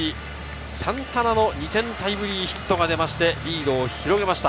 サンタナの２点タイムリーヒットが出まして、リードを広げました。